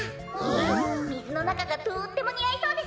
みずのなかがとってもにあいそうですね！